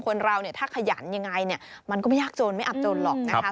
คนเราถ้าขยันอย่างไรมันก็ไม่ยากโจรไม่อับโจรหรอกนะคะ